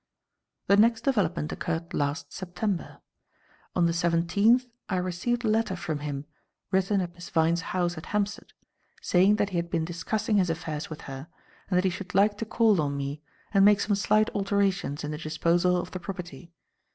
"The next development occurred last September. On the seventeenth I received a letter from him, written at Miss Vyne's house at Hampstead, saying that he had been discussing his affairs with her and that he should like to call on me and make some slight alterations in the disposal of the property.